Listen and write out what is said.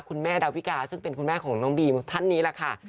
คุณแม่ดาวิกาซึ่งเป็นคุณแม่ของน้องบีมท่านนี้แหละค่ะ